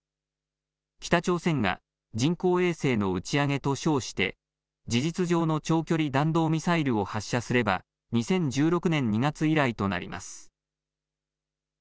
北朝鮮が人工衛星の打ち上げと称して事実上の長距離弾道ミサイルを発射すれば２０１６年２月以来となります。